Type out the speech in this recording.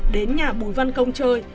đến nhà bùi văn công chơi